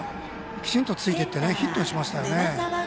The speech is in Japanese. きちんとついていってヒットにしましたよね。